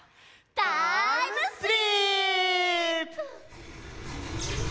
ターイムスリーップ！